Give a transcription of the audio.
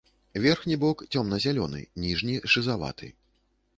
Верхні бок цёмна-зялёны, ніжні шызаваты.